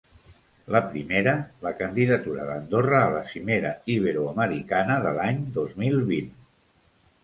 La primera, la candidatura d’Andorra a la cimera iberoamericana de l’any dos mil vint.